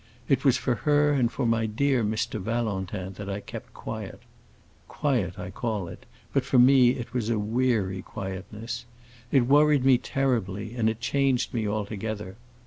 It was for her and for my dear Mr. Valentin I kept quiet. Quiet I call it, but for me it was a weary quietness. It worried me terribly, and it changed me altogether.